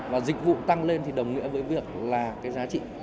và dịch vụ tăng lên thì đồng nghĩa với việc là cái giá trị